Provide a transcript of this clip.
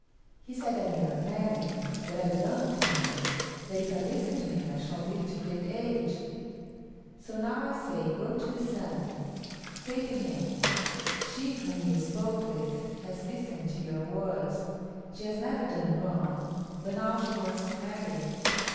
He said I may not marry; that I belong to him; that if I listen to him I shall live to great age. So now I say, go to the Sun; say to him, 'She whom you spoke with has listened to your words; she has never done wrong, but now she wants to marry.